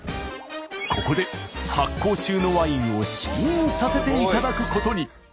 ここで発酵中のワインを試飲させていただくことに。